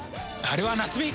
あれは夏美？